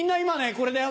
これだよ。